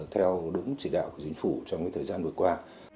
theo đúng chỉ đạo của chính phủ trong thời gian vừa qua